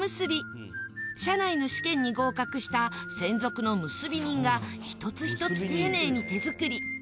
社内の試験に合格した専属のむすび人が１つ１つ丁寧に手作り